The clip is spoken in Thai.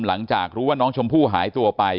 หลังจากรู้ว่าน้องชมพู่หายตัวไป